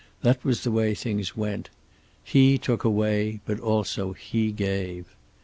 That was the way things went. He took away, but also He gave.